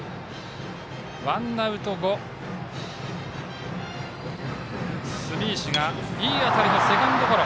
ワンアウト後、住石がいい当たりのセカンドゴロ。